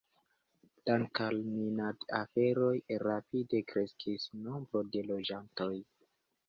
Dank' al minad-aferoj rapide kreskis nombro de loĝantoj.